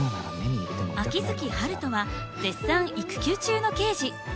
秋月春風は絶賛育休中の刑事。